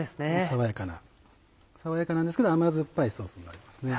爽やかなんですけど甘酸っぱいソースになりますね。